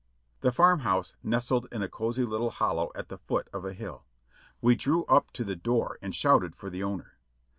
The farm house nestled in a cosy little hollow at the foot of a hill; we drew up at the door and shouted for the owner.